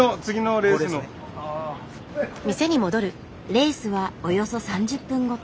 レースはおよそ３０分ごと。